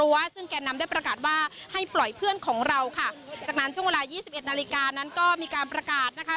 รั้วสิ่งแก่นำได้ประกาศว่าให้ปล่อยเพื่อนของเรานั่นต้องนั้นช่วงเวลา๒๑นาฬิกานั้นก็มีการประกาศนะคะ